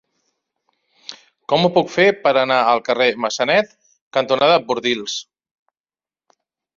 Com ho puc fer per anar al carrer Massanet cantonada Bordils?